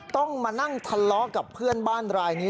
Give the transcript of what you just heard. ต้องมานั่งทะเลาะกับเพื่อนบ้านรายนี้